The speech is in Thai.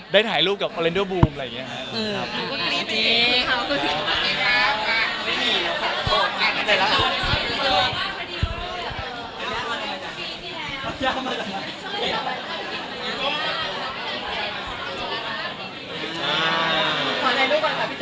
ได้ถ่ายรูปกับออเรนดุ๊กบูมอะไรอย่างนี้ครับ